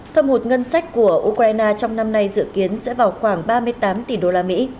thâm hụt ngân sách của ukraine trong năm nay dự kiến sẽ vào khoảng ba mươi tám tỷ usd